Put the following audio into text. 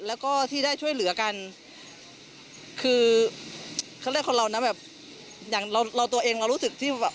แล้วก็ที่ได้ช่วยเหลือกันคือเขาเรียกคนเรานะแบบอย่างเราเราตัวเองเรารู้สึกที่แบบ